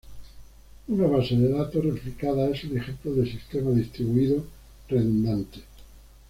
Una base de datos replicada es un ejemplo de sistema distribuido redundante.